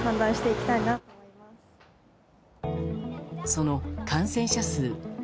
その感染者数。